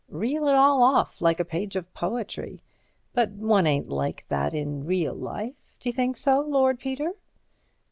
Reel it all off like a page of poetry. But one ain't like that in real life, d'you think so, Lord Peter?"